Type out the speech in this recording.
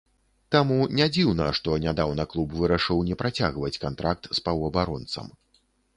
Таму не дзіўна, што нядаўна клуб вырашыў не працягваць кантракт з паўабаронцам.